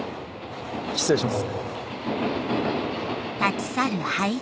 失礼します。